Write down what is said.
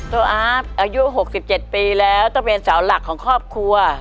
อาฟอายุ๖๗ปีแล้วต้องเป็นเสาหลักของครอบครัว